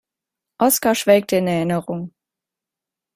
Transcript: Oskar schwelgte in Erinnerungen.